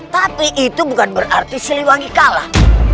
tapi itu bukan berarti siliwangi kalah